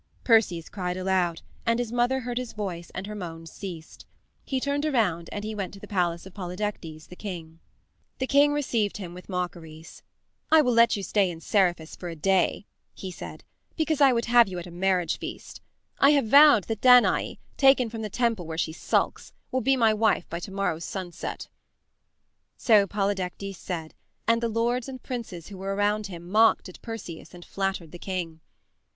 Perseus cried aloud, and his mother heard his voice and her moans ceased. He turned around and he went to the palace of Polydectes, the king. The king received him with mockeries. "I will let you stay in Seriphus for a day," he said, "because I would have you at a marriage feast. I have vowed that Danae, taken from the temple where she sulks, will be my wife by to morrow's sunset." So Polydectes said, and the lords and princes who were around him mocked at Perseus and flattered the king.